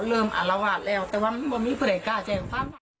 เริ่มอารวาดแล้วแต่ว่ามันไม่อย่าพูดใกล้กล้าแจ้งความ